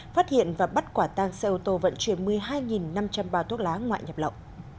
phát hiện và bắt quả tang xe ô tô vận chuyển một mươi hai năm trăm linh bao thuốc lá ngoại nhập lậu